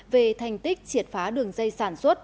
về thành tích triệt phá đường dây sản xuất